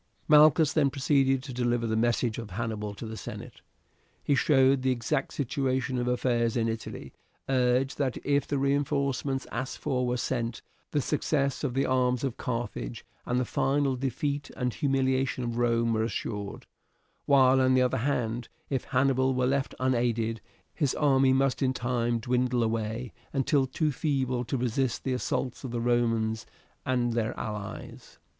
Malchus then proceeded to deliver the message of Hannibal to the senate. He showed the exact situation of affairs in Italy, urged that if the reinforcements asked for were sent, the success of the arms of Carthage and the final defeat and humiliation of Rome were assured; while, on the other hand, if Hannibal were left unaided, his army must in time dwindle away until too feeble to resist the assaults of the Romans and their allies.